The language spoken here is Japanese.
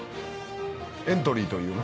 エントリーという。